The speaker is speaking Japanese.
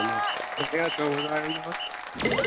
ありがとうございます。